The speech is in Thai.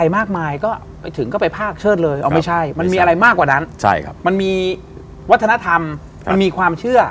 มันมีวัฒนธรรมมีความเชื่อ